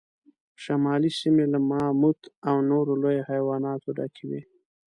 شمالي سیمې له ماموت او نورو لویو حیواناتو ډکې وې.